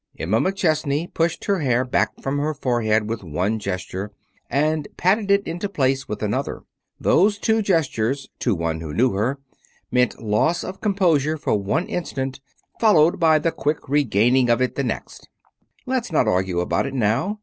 Emma McChesney pushed her hair back from her forehead with one gesture and patted it into place with another. Those two gestures, to one who knew her, meant loss of composure for one instant, followed by the quick regaining of it the next. "Let's not argue about it now.